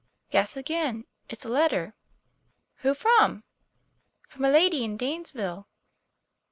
"Guess again. It's a letter." "Who from?" "From a lady in Danesville.